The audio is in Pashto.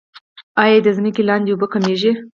آیا د ځمکې لاندې اوبه کمیږي؟